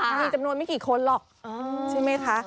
มีจำนวนไม่กี่คนหรอกใช่ไหมคะ